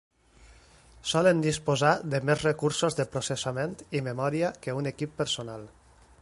Solen disposar de més recursos de processament i memòria que un equip personal.